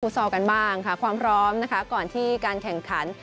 ซอลกันบ้างค่ะความพร้อมนะคะก่อนที่การแข่งขัน